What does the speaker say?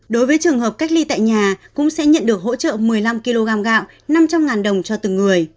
đối với trường hợp cách ly tại nhà cũng sẽ nhận được hỗ trợ một mươi năm kg gạo năm trăm linh đồng cho từng người